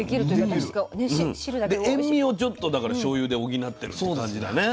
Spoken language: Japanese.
で塩味をちょっとしょうゆで補ってるって感じだね。